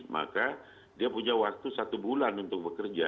maka dia punya waktu satu bulan untuk bekerja